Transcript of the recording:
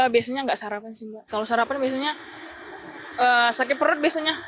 biasanya nggak sarapan sih kalau sarapan biasanya sakit perut